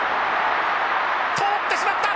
通ってしまった！